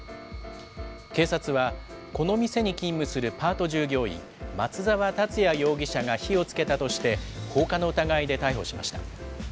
警察は、この店に勤務するパート従業員、松澤達也容疑者が火をつけたとして、放火の疑いで逮捕しました。